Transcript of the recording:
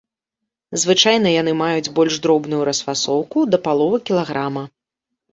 Звычайна яны маюць больш дробную расфасоўку, да паловы кілаграма.